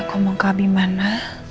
aku omong ke abimana